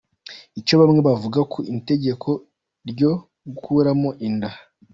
Icyo bamwe bavuga ku itegeko ryo gukuramo inda .